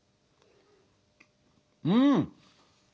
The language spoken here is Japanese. うん！